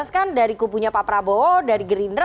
kan dari kubunya pak prabowo dari gerindra